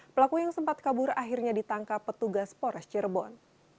pelaku yang sempat kabur akhirnya ditangkap petugas pores cirebon